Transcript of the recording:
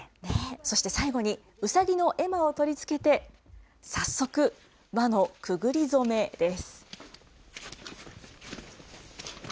そして最後にうさぎの絵馬を取り付けて、早速、輪のくぐり初めです。